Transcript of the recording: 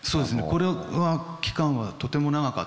これは期間がとても長かったです。